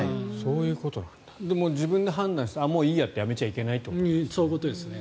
自分で判断してもういいやってやめちゃいけないんだと。